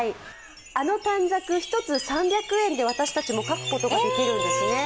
あの短冊、１つ３００円で私たちも書くことができるんですね。